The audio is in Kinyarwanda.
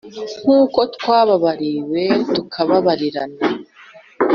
nkuko twababariwe, tubabarirane.